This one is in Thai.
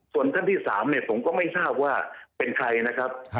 ส่วนท่านที่๓เนี่ยผมก็ไม่ทราบว่าเป็นใครนะครับ